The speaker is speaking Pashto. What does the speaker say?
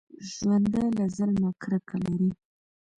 ژوندي له ظلمه کرکه لري